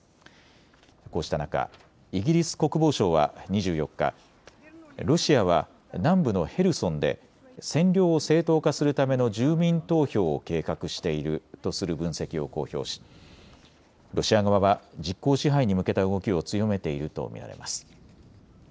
こうした中、イギリス国防省は２４日、ロシアは南部のヘルソンで占領を正当化するための住民投票を計画しているとする分析を公表しロシア側は実効支配に向けた動きを強めていると見られます。